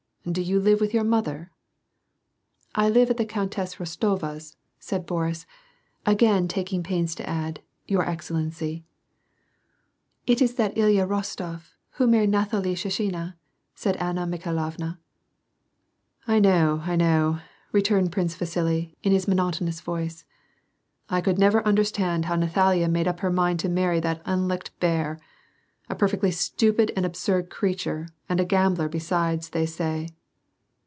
*' Do you live with your mother ?" "I live at the Countess Kostova's," said Boris, again, taking pains to add, " Your Excellency." '^ It is that Ilya liostof, who married Kathalie Shinshina," said Anna Mikhailovna. " I know, I know," returned Prince Vasili, in his monoto nous voice. " I never could understand how Nathalie made up her mind to marry that unlicked bear, A perfectly stvpid and absurd creature, and a gambler besides, they say."